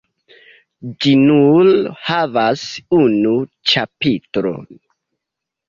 Ĝi nur havas unu ĉapitron.